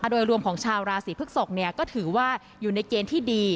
โดยรวมของชาวราศีพฤกษกก็ถือว่าอยู่ในเกณฑ์ที่ดี